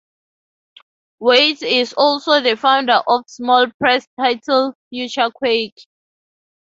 Wyatt is also the founder of small press title "FutureQuake".